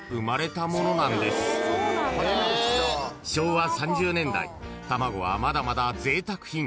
［昭和３０年代卵はまだまだぜいたく品］